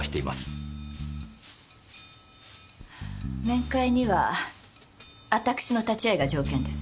はぁ面会には私の立ち会いが条件です。